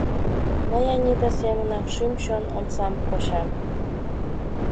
Мый Анита семынак шӱм-чон омсам почам.